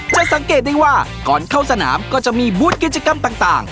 สังเกตได้ว่าก่อนเข้าสนามก็จะมีบูธกิจกรรมต่าง